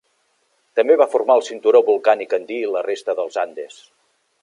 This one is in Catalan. També va formar el cinturó volcànic andí i la resta dels Andes.